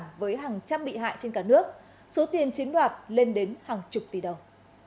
tài sản với hàng trăm bị hại trên cả nước số tiền chiếm đoạt lên đến hàng chục tỷ đồng